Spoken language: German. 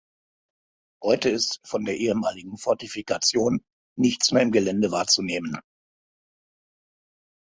Heute ist von der ehemaligen Fortifikation nichts mehr im Gelände wahrzunehmen.